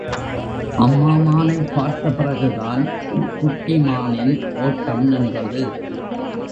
அம்மா மானைப் பார்த்த பிறகுதான் குட்டி மானின் ஒட்டம் நின்றது.